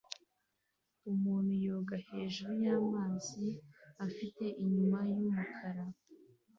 Umuntu yoga hejuru y'amazi afite inyuma yumukara